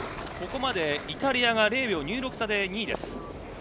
ここまでイタリアが０秒２６差で２位です。